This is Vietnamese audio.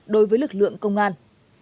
đối với lực lượng công an